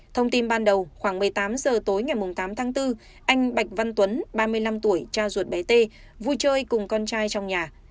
thông tin ban đầu khoảng một mươi tám giờ tối ngày tám tháng bốn anh bạch văn tuấn ba mươi năm tuổi cha ruột bé t vui chơi cùng con trai trong nhà